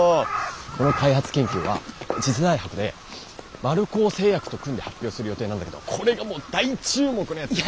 この開発研究は次世代博で丸高製薬と組んで発表する予定なんだけどこれがもう大注目のやつでさ。